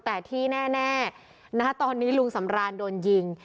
แต่ที่แน่ณตอนนี้ลุงสำรานโดนยิง